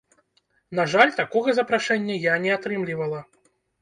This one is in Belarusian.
На жаль, такога запрашэння я не атрымлівала.